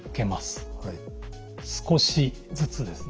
少しずつですね。